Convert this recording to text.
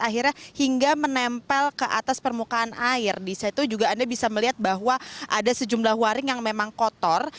akhirnya hingga menempel ke atas permukaan air di situ juga anda bisa melihat bahwa ada sejumlah waring yang memang kotor